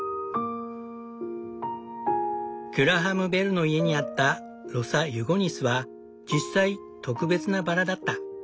グラハム・ベルの家にあったロサ・ユゴニスは実際特別なバラだった。